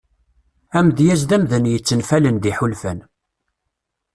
Amedyaz d amdan yettenfalen d iḥulfan.